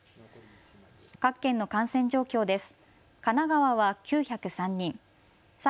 各県の感染状況です。